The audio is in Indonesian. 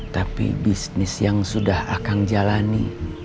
tapi bisnis yang sudah akang jalani